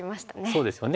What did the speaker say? そうですよね。